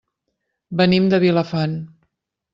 Venim de Vilafant.